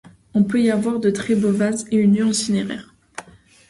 On peut y voir de très beaux vases et urnes cinéraires.